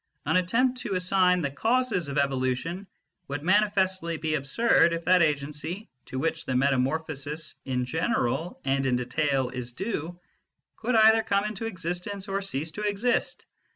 An attempt to assign the causes of Evo lution would manifestly be absurd if that agency to which the metamorphosis in general and in detail is due, could either come into existence or cease to exist.